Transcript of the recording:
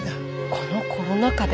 このコロナ禍で。